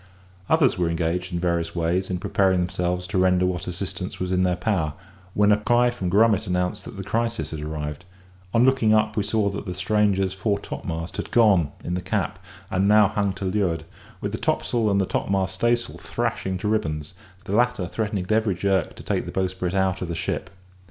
Others were engaged in various ways in preparing themselves to render what assistance was in their power, when a cry from Grummet announced that the crisis had arrived; on looking up we saw that the stranger's fore topmast had gone in the cap; and now hung to leeward, with the topsail and topmast staysail thrashing to ribbons; the latter threatening at every jerk to take the bowsprit out of the ship.